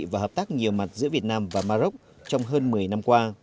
và hợp tác nhiều mặt giữa việt nam và maroc trong hơn một mươi năm qua